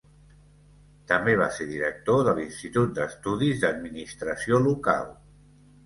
També va ser director de l'Institut d'Estudis d'Administració Local.